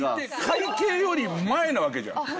会計より前なわけじゃん。